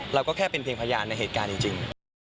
เราก็แค่เป็นเพียงพยานในเหตุการณ์จริง